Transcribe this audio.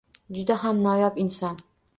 Juda ham noyob inson.